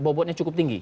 bobotnya cukup tinggi